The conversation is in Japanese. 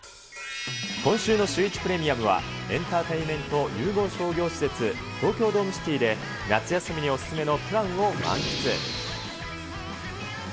今週のシューイチプレミアムはエンターテインメント融合商業施設、東京ドームシティで夏休みにお勧めのプランを満喫。